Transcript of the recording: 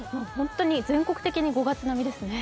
全国的に５月並みですね。